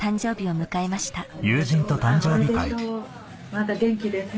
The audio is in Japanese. まだ元気でね。